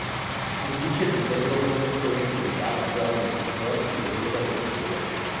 En dicho episodio Homer teme que Bart sea homosexual y lo lleva de cacería.